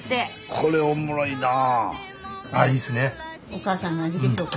これおもろいなぁ。